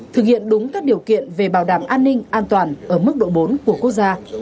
thực hiện đúng các điều kiện về bảo đảm an ninh an toàn ở mức độ bốn của quốc gia